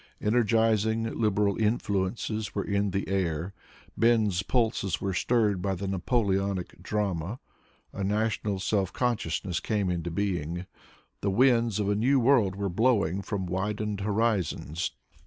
Energizing liberal influences were in the air; men's pulses were stirred by the Napoleonic drama; a national self con sciousness came into being; the winds of a new world were blowing from widened horizons.